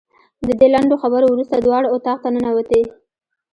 د دې لنډو خبرو وروسته دواړه اتاق ته ننوتې.